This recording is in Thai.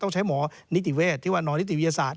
ต้องใช้หมอนิติเวศที่ว่านอนิติเวศาสตร์